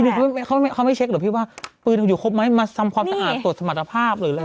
นี่เขาไม่เช็คเหรอพี่ว่าปืนอยู่ครบไหมมาทำความสะอาดตรวจสมรรถภาพหรืออะไร